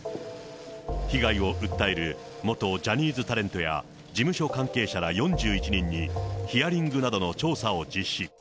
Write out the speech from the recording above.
被害を訴える元ジャニーズタレントや事務所関係者ら４１人に、ヒアリングなどの調査を実施。